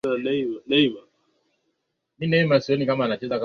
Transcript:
wa penzi lako